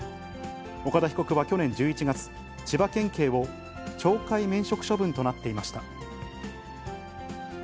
岡田被告は去年１１月、千葉県警を懲戒免職処分となっていました。